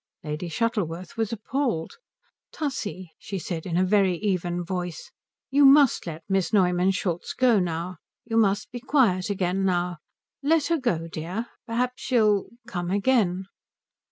Lady Shuttleworth was appalled. "Tussie," she said in a very even voice, "you must let Miss Neumann Schultz go now. You must be quiet again now. Let her go, dear. Perhaps she'll come again."